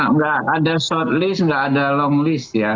enggak ada shortlist enggak ada longlist ya